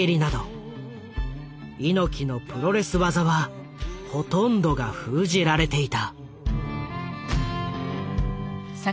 猪木のプロレス技はほとんどが封じられていた。